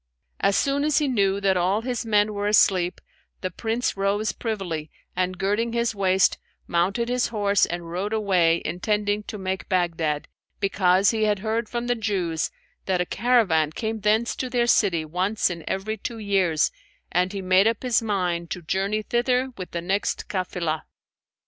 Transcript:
As soon as he knew that all his men were asleep, the Prince rose privily and girding his waist, mounted his horse and rode away intending to make Baghdad, because he had heard from the Jews that a caravan came thence to their city once in every two years and he made up his mind to journey thither with the next cafilah.